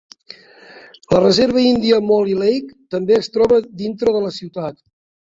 La reserva índia Mole Lake també es troba dintre de la ciutat.